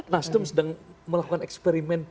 nasdem sedang melakukan eksperimen